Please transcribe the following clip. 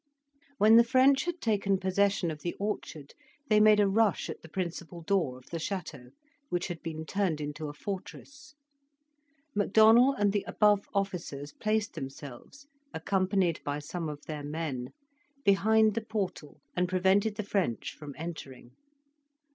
When the French had taken possession of the orchard, they made a rush at the principal door of the chateau, which had been turned into a fortress. MacDonell and the above officers placed themselves, accompanied by some of their men, behind the portal and prevented the French from entering.